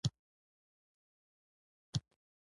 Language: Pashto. آیا کابل د هیواد سیاسي مرکز دی؟